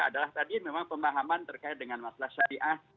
adalah tadi memang pemahaman terkait dengan masalah syariah